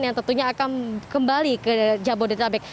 yang tentunya akan kembali ke jabodetabek